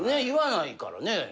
言わないからね。